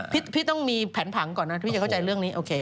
พี่ต้องมีแผนผังก่อนนะพี่จะเข้าใจเรื่องนี้โอเค